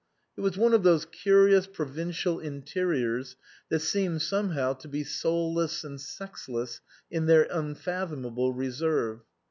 It was one of those curious provincial interiors that seem somehow to be soulless and sexless in their unfathomable reserve.